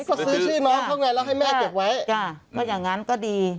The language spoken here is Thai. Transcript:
ก็ซื้อชื่อน้องเขาไงแล้วให้แม่เก็บไว้จ้ะถ้าอย่างนั้นก็ดี